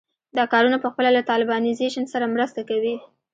دا کارونه پخپله له طالبانیزېشن سره مرسته کوي.